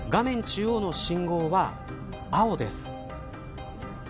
中央の信号は青です。